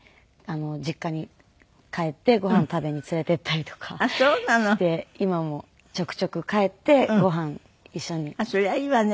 実家に帰ってご飯食べに連れて行ったりとかして今もちょくちょく帰ってご飯一緒に食べています。